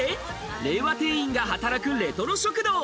令和店員が働くレトロ食堂。